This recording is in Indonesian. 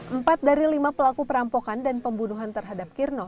empat dari lima pelaku perampokan dan pembunuhan terhadap kirno